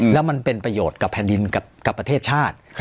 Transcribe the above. แล้วมันเป็นประโยชน์กับแผ่นดินกับประเทศชาติ